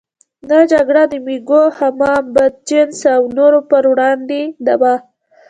دا جګړه د مېږو، حمام بدجنسه او نورو پر وړاندې وه.